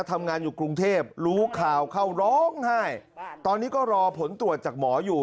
ทำงานอยู่กรุงเทพรู้ข่าวเข้าร้องไห้ตอนนี้ก็รอผลตรวจจากหมออยู่